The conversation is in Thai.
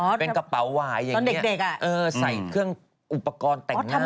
เป็นกระเป๋าหวายอย่างนี้ใส่เครื่องอุปกรณ์แต่งหน้า